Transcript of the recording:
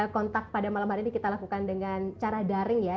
kontak pada malam hari ini kita lakukan dengan cara daring ya